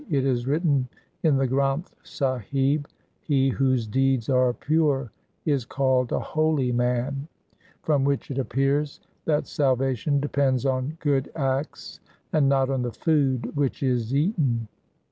It is written in the Granth Sahib :— He whose deeds are pure is called a holy man, 1 from which it appears that salvation depends on good acts and not on the food which is eaten.